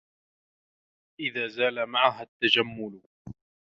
إذَا زَالَ مَعَهَا التَّجَمُّلُ